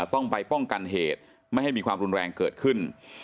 ต้องไปป้องกันเหตุไม่ให้มีความรุนแรงเกิดขึ้น